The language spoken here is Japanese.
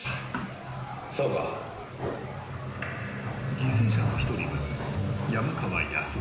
［犠牲者の一人は山川康夫。